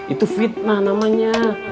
itu fitnah namanya